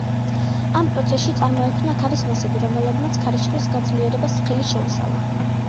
ამ პროცესში წარმოიქმნა ქარის მასები, რომელმაც ქარიშხლის გაძლიერებას ხელი შეუშალა.